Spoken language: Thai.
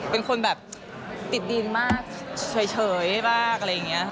เป็นคนแบบติดดินมากเฉยบ้างอะไรอย่างนี้